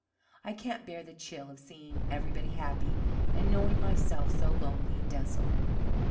I can't bear the chill of seeing everybody happy, and knowing myself so lonely and desolate.